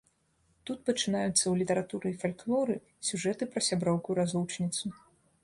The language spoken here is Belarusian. Тут пачынаюцца ў літаратуры і фальклоры сюжэты пра сяброўку-разлучніцу.